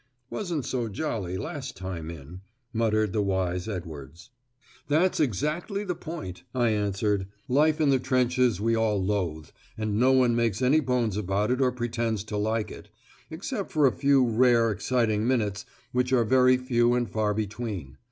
"Wasn't so jolly last time in," muttered the wise Edwards. "That's exactly the point," I answered; "life in the trenches we all loathe, and no one makes any bones about it or pretends to like it except for a few rare exciting minutes, which are very few and far between.